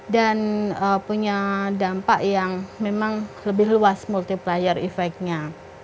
dan punya dampak yang memang lebih luas multiplier effectnya